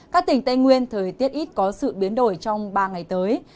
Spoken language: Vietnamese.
các tỉnh tây nguyên thời tiết ít có sự biến đổi trong ba ngày tới